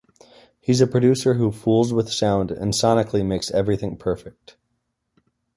He's a producer who fools with sound and sonically makes everything perfect.